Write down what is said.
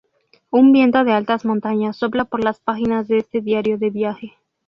Un viento de altas montañas sopla por las páginas de este diario de viaje.